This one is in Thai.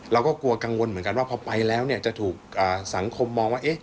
เราก็กลัวกังวลเหมือนกันว่าพอไปแล้วจะถูกสังคมมองว่า